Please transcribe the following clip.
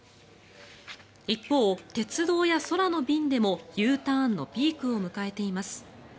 一方、鉄道や空の便でもＵターンのピークを迎えています。